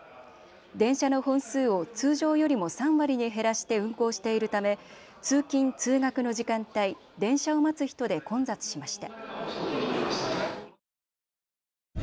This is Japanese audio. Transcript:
電車の本数を通常よりも３割に減らして運行しているため通勤・通学の時間帯電車を待つ人で混雑しました。